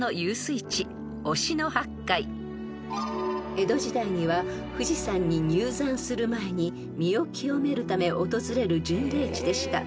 ［江戸時代には富士山に入山する前に身を清めるため訪れる巡礼地でした］